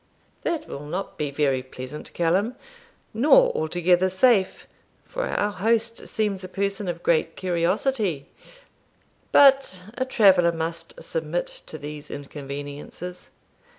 'That will not be very pleasant, Callum, nor altogether safe, for our host seems a person of great curiosity; but a traveller must submit to these inconveniences.